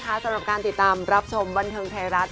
สำหรับการติดตามรับชมบันเทิงไทยรัฐ